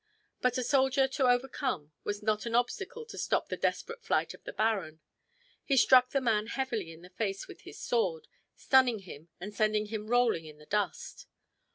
But a soldier to overcome was not an obstacle to stop the desperate flight of the baron. He struck the man heavily in the face with his sword, stunning him and sending him rolling in the dust.